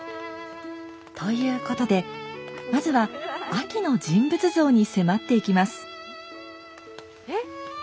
ということでまずはあきの人物像に迫っていきます。